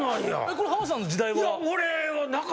これ浜田さんの時代は？